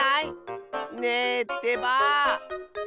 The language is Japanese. ねえってばぁ！